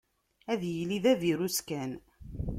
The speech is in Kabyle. Ad yili d avirus kan.